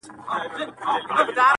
په اساس کي بس همدغه شراکت دئ٫